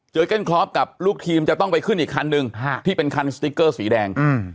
เก้นคลอฟกับลูกทีมจะต้องไปขึ้นอีกคันนึงที่เป็นคันสติ๊กเกอร์สีแดง